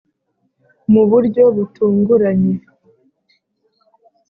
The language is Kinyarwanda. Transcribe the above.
mu buryo butunguranye,